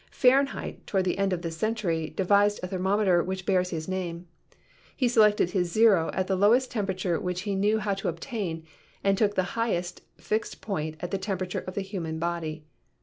Fahrenheit, toward the end of this century, devised the thermometer which bears his name. He selected his zero at the lowest temperature which he knew how to obtain and took the highest fixed point at the temperature of the human body.